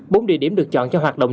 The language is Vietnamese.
bốn địa điểm được chọn cho hoạt động